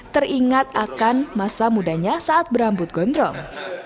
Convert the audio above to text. teringat akan masa mudanya saat berambut gondrong